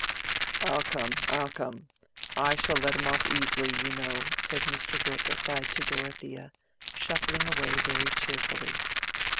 "I'll come, I'll come. I shall let him off easily, you know," said Mr. Brooke aside to Dorothea, shuffling away very cheerfully.